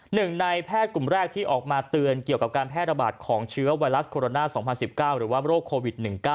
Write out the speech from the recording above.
หนึ่งในแพทย์กลุ่มแรกที่ออกมาเตือนเกี่ยวกับการแพร่ระบาดของเชื้อไวรัสโคโรนา๒๐๑๙หรือว่าโรคโควิด๑๙